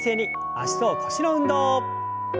脚と腰の運動。